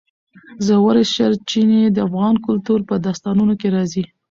ژورې سرچینې د افغان کلتور په داستانونو کې راځي.